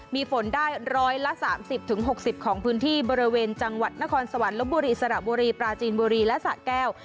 มีฝนได้ร้อยละสามสิบถึงหกสิบของพื้นที่บริเวณจังหวัดนครสวรรค์และบุรีสลับบุรีปลาจีนบุรีและสะแก้ว